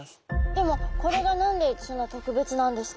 でもこれが何でそんな特別なんですか？